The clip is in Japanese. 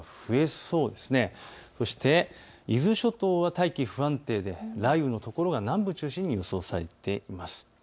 そして、伊豆諸島は大気、不安定で雷雨の所が南部を中心に予想されています。